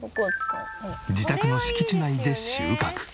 自宅の敷地内で収穫。